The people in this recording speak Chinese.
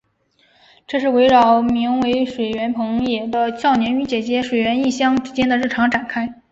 这是围绕名为水原朋也的少年与姐姐水原一香之间的日常展开。